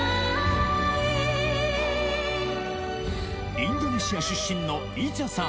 インドネシア出身のイチャさん